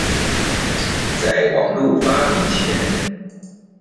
在網路發明前